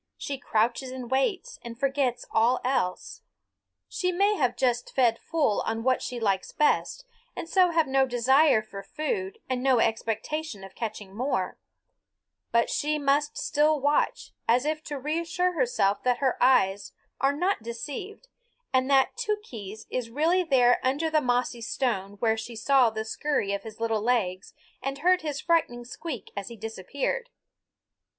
She crouches and waits, and forgets all else. She may have just fed full on what she likes best, and so have no desire for food and no expectation of catching more; but she must still watch, as if to reassure herself that her eyes are not deceived and that Tookhees is really there under the mossy stone where she saw the scurry of his little legs and heard his frightened squeak as he disappeared.